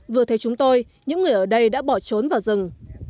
vừa thấy chúng tôi những người ở đây đã bỏ trốn vào rừng